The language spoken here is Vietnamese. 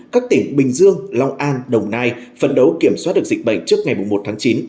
các tỉnh bình dương long an đồng nai phấn đấu kiểm soát được dịch bệnh trước ngày một tháng chín